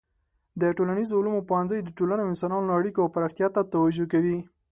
د ټولنیزو علومو پوهنځی د ټولنې او انسانانو اړیکو او پراختیا ته توجه کوي.